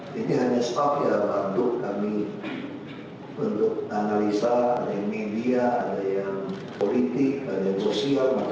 sebenarnya saya kenal selama dua ribu sepuluh sebetulnya pak